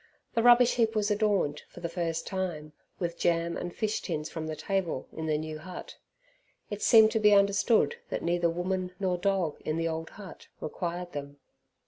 The rubbish heap was adorned, for the first time, with jam and fish tins from the table in the new hut. It seemed to be understood that neither woman nor dog in the old hut required them.